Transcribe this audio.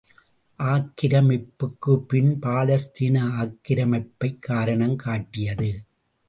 ஆக்கிரமிப்புக்குப்பின் பாலஸ்தீன ஆக்கிரமிப்பைக் காரணங்காட்டியது.